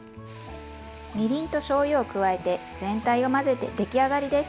みりんとしょうゆを加えて全体を混ぜて出来上がりです。